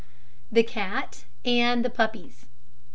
THE CAT AND THE PUPPIES.